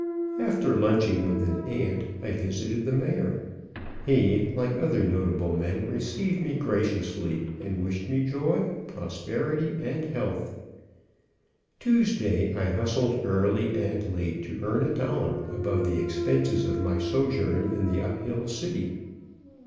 After lunching with an aunt, I visited the Mayor. He, like other notable men, received me graciously and wished me joy, prosperity and health. Tuesday I hustled early and late to earn a dollar above the expenses of my sojourn in the up hill city.